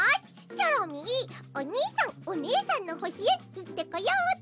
チョロミーおにいさんおねえさんのほしへいってこようっと！